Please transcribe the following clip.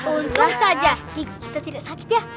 untung saja kita tidak sakit ya